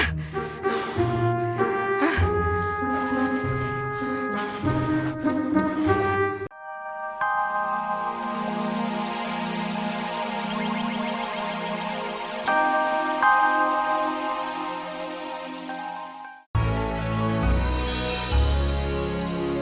masih belum lacer